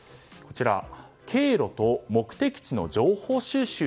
経路と目的地の情報収集。